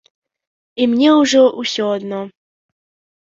І мне ўжо ўсё адно.